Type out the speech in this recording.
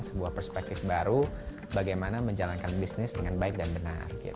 sebuah perspektif baru bagaimana menjalankan bisnis dengan baik dan benar